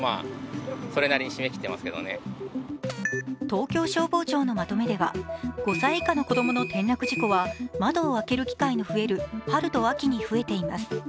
東京消防庁のまとめでは、５歳以下の子供の転落事故は窓を開ける機会の増える春と秋に増えています。